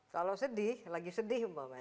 kalau sedih lagi sedih umpamanya